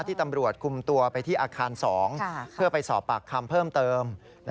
ที่ตำรวจคุมตัวไปที่อาคาร๒เพื่อไปสอบปากคำเพิ่มเติม